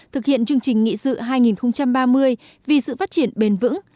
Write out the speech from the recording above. thực hiện chương trình nghị sự hai nghìn ba mươi vì sự phát triển bền vững